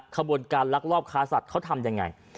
ขบวนการลักลอบค้าสัตว์เขาทำยังไง